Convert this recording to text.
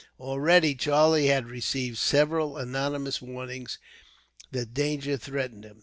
Already, Charlie had received several anonymous warnings that danger threatened him.